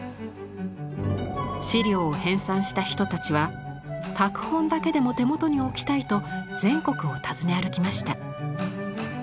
資料を編纂した人たちは拓本だけでも手元に置きたいと全国を訪ね歩きました。